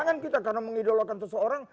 jangan kita karena mengidolakan seseorang